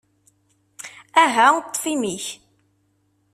Aha, ṭṭef imi-k!